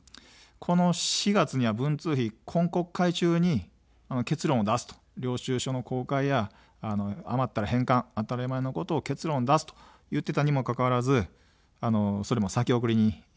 この４月には文通費、今国会中に結論を出すと、領収書の公開や余ったら返還、当たり前のことを結論出すと言っていたにもかかわらず、それも先送りになりました。